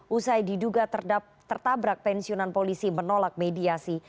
usai diduga tertabrak pensiunan polisi menolak mediasi